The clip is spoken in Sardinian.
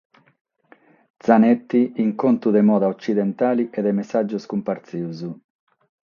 Zanetti in contu de moda otzidentale e de messàgios cumpartzidos.